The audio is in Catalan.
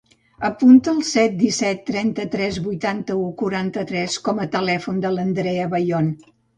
Apunta el set, disset, trenta-tres, vuitanta-u, quaranta-tres com a telèfon de l'Andrea Bayon.